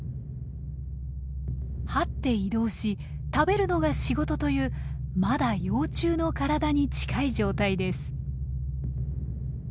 はって移動し食べるのが仕事というまだ幼虫の体に近い状態です。